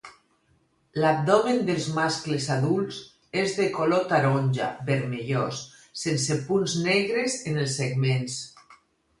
L'abdomen dels mascles adults és de color taronja vermellós, sense punts negres en els segments.